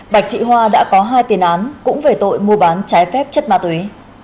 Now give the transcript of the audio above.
bạch thị hoa đã có hai tiền án cũng về tội mua bán trái phép chất ma túy